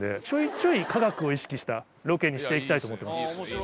ちょいちょい科学を意識したロケにしていきたいと思ってます。